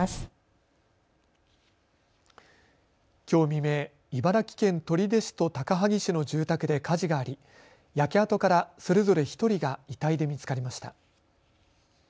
きょう未明、茨城県取手市と高萩市の住宅で火事があり焼け跡からそれぞれ１人が遺体で見つかりました。